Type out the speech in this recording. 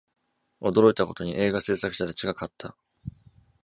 驚いたことに、映画製作者たちが勝った。